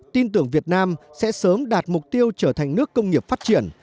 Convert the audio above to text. tin tưởng việt nam sẽ sớm đạt mục tiêu trở thành nước công nghiệp phát triển